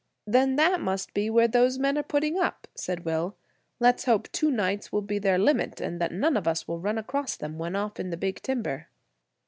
"Then that must be where those men are putting up," said Will. "Let's hope two nights will be their limit, and that none of us run across them when off in the big timber."